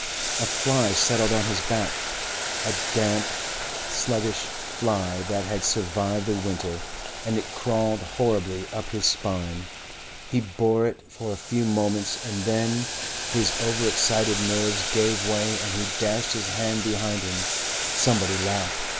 A fly settled on his back a damp, sluggish fly that had survived the winter and it crawled horribly up his spine. He bore it for a few moments, and then his over excited nerves gave way and he dashed his hand behind him. Somebody laughed.